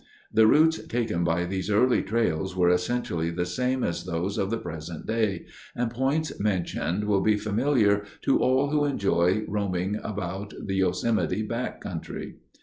The routes taken by these early trails were essentially the same as those of the present day and points mentioned will be familiar to all who enjoy roaming about the Yosemite back country.